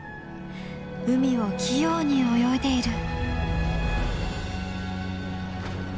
海を器用に泳いでいる。